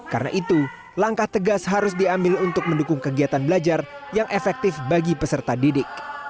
karena itu langkah tegas harus diambil untuk mendukung kegiatan belajar yang efektif bagi peserta didik